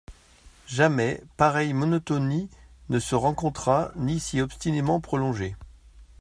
Jamais pareille monotonie ne se rencontra, ni si obstinément prolongée.